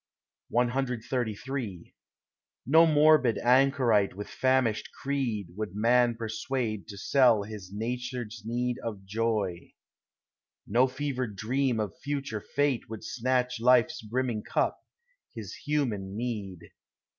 CXXXIII No morbid anchorite with famished creed Would man persuade to sell his nature's need Of joy—no fevered dream of future fate Would snatch life's brimming cup, his human meed.